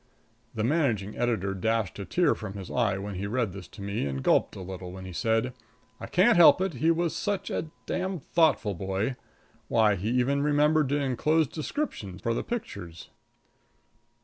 The managing editor dashed a tear from his eye when he read this to me, and gulped a little as he said: "I can't help it; he was such a d d thoughtful boy. Why, he even remembered to inclose descriptions for the pictures!"